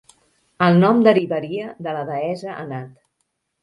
El nom derivaria de la deessa Anat.